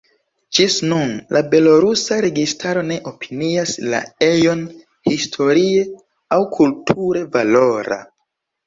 Ĝis nun la belorusa registaro ne opinias la ejon historie aŭ kulture valora.